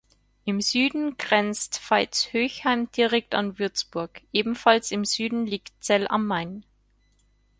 Im Süden grenzt Veitshöchheim direkt an Würzburg, ebenfalls im Süden liegt Zell am Main.